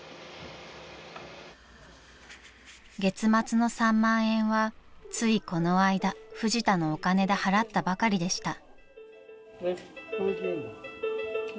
［月末の３万円はついこの間フジタのお金で払ったばかりでした］